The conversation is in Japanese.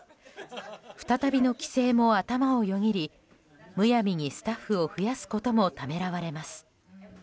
再びの規制も頭をよぎりむやみにスタッフを増やすこともためらわれます。